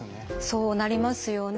そうなりますよね。